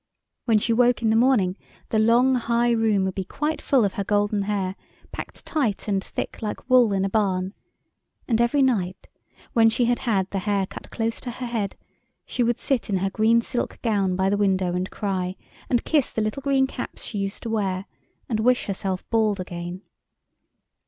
When she woke in the morning the long high room would be quite full of her golden hair, packed tight and thick like wool in a barn. And every night when she had had the hair cut close to her head she would sit in her green silk gown by the window and cry, and kiss the little green caps she used to wear, and wish herself bald again.